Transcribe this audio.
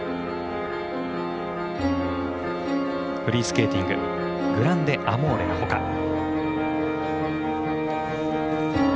フリースケーティング「グランデ・アモーレ」ほか。